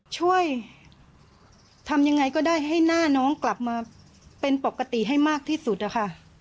ช่วยทำยังไงก็ได้ให้หน้าน้องกลับมาเป็นปกติให้มากที่สุดอะค่ะ